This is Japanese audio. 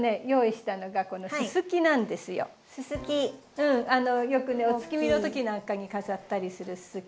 うんよくねお月見のときなんかに飾ったりするススキ。